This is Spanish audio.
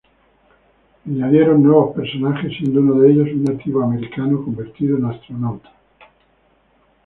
Añadieron nuevos personajes, siendo uno de ellos un Nativo Americano convertido en astronauta.